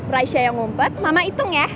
raisa yang umpet mama hitung ya